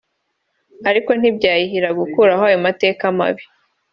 ariko ntibyayihira gukuraho ayo mateka mabi